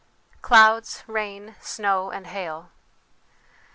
Clouds, Rain, Snow, and Hail.